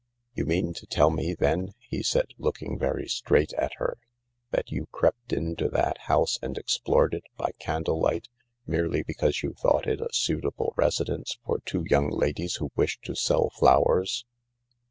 " You mean to tell me, then," he said, looking very straight at her," that you crept into that house and explored it by candlelight merely because you thought it a suitable resi dence for two young ladies who wish to sell flowers